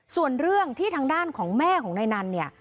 ส่วนเรื่องที่ทางด้านของแม่ของนายนันเนี่ย